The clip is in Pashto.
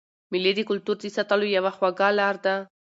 مېلې د کلتور د ساتلو یوه خوږه لار ده.